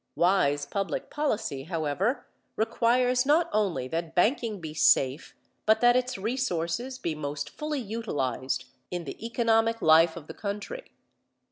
Wise public policy, however, requires not only that banking be safe but that its resources be most fully utilized in the economic life of the country.